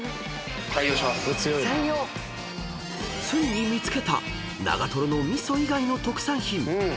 ［ついに見つけた長瀞の味噌以外の特産品］